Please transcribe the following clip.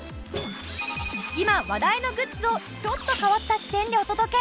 今話題のグッズをちょっと変わった視点でお届け！